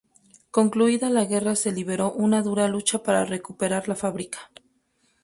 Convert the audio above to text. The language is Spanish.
Concluida la Guerra se libró una dura lucha para recuperar la fábrica.